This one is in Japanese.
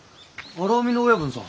荒海の親分さん。